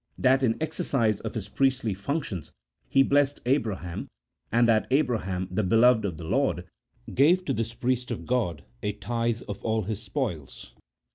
that in exercise of his priestly functions he blessed Abra ham, and that Abraham the beloved of the Lord gave to this priest of God a tithe of all his spoils.